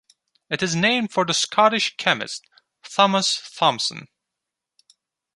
It is named for the Scottish chemist Thomas Thomson.